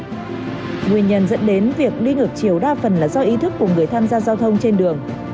nguyên nhân dẫn đến việc đi ngược chiều đa phần là do ý thức của người tham gia giao thông trên đường